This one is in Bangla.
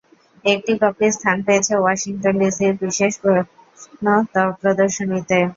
একটি কপি স্থান পেয়েছে ওয়াশিংটন ডিসির বিশেষ প্রত্নপ্রদর্শনীতে।